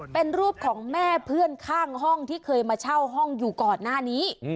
เป็นรูปของแม่เพื่อนข้างห้องที่เคยมาเช่าห้องอยู่ก่อนหน้านี้